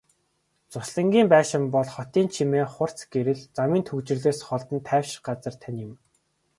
Зуслангийн байшин бол хотын чимээ, хурц гэрэл, замын түгжрэлээс холдон тайвшрах газар тань юм.